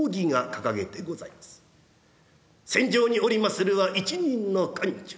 船上におりまするは一人の官女。